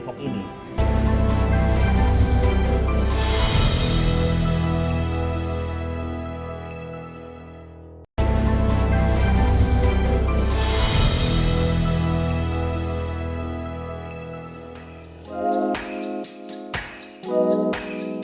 kalau kita lihat